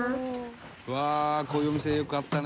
「うわーこういうお店よくあったね」